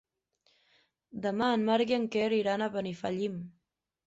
Demà en Marc i en Quer iran a Benifallim.